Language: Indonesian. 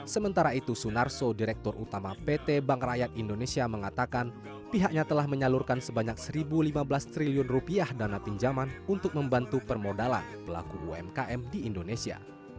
sementara itu sunarso direktur utama pt bank rakyat indonesia mengatakan pihaknya telah menyalurkan sebanyak rp satu lima belas triliun dana pinjaman untuk membantu permodalan pelaku umkm di indonesia